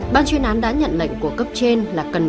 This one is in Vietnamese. ban chuyên án đã nhận lệnh của cấp trên là cần